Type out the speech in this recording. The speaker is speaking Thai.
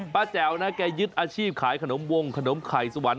แจ๋วนะแกยึดอาชีพขายขนมวงขนมไข่สวรร